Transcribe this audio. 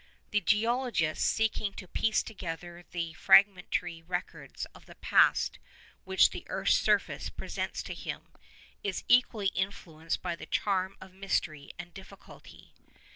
The geologist, seeking to piece together the fragmentary records of the past which the earth's surface presents to him, is equally influenced by the charm of mystery and difficulty.